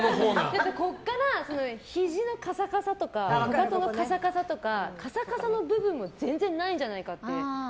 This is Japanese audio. ひじのカサカサとかかかとのカサカサとかカサカサの部分が全然ないんじゃないかって。